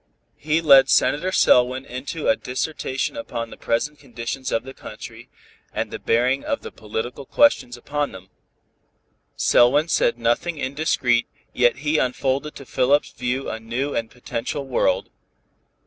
He led Senator Selwyn into a dissertation upon the present conditions of the country, and the bearing of the political questions upon them. Selwyn said nothing indiscreet, yet he unfolded to Philip's view a new and potential world.